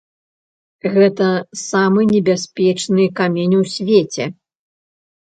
Гэта самы небяспечны камень у свеце.